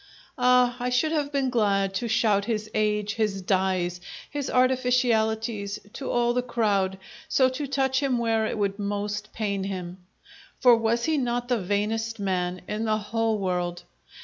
Ah, I should have been glad to shout his age, his dyes, his artificialities, to all the crowd, so to touch him where it would most pain him! For was he not the vainest man in the whole world?